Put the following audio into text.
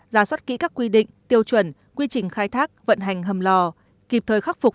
ra soát kỹ các quy định tiêu chuẩn quy trình khai thác vận hành hầm lò kịp thời khắc phục